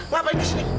ngapain di sini